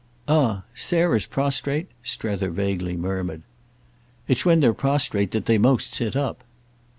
"Ah Sarah's prostrate?" Strether vaguely murmured. "It's when they're prostrate that they most sit up."